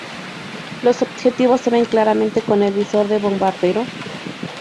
Los objetivos se ven claramente con el visor de bombardero.